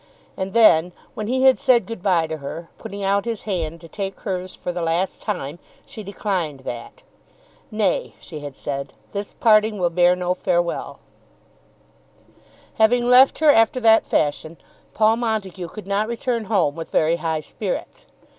And then when he had said good bye to her, putting out his hand to take hers for the last time, she declined that. "Nay," she had said; "this parting will bear no farewell." Having left her after that fashion Paul Montague could not return home with very high spirits.